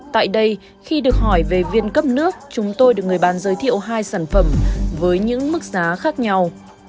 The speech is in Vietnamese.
tại đây khi được hỏi về viên cấp nước chúng tôi được người bán giới thiệu hai sản phẩm với những mức giá khác nhau